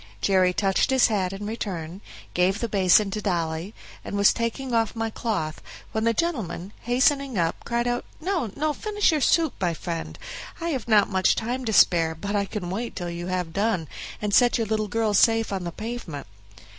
Jerry touched his hat in return, gave the basin to Dolly, and was taking off my cloth, when the gentleman, hastening up, cried out, "No, no, finish your soup, my friend; I have not much time to spare, but I can wait till you have done, and set your little girl safe on the pavement."